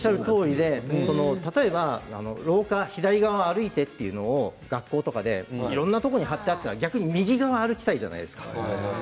例えば廊下は左側を歩いてっていうのが学校とかにいろんなところに貼ってあったら逆に右側を歩きたくなるじゃないですか。